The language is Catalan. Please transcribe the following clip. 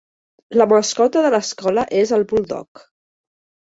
La mascota de l'escola és el buldog.